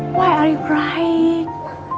kenapa kamu menangis